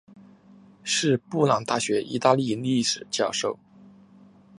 是布朗大学意大利历史教授。